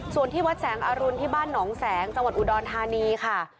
ส่วนที่วัดแสงอรุณที่บ้านหนองแสงจังหวัดอุดรธานีค่ะ